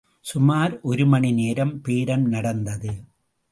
சுமார் ஒரு மணிநேரம் பேரம் நடந்தது.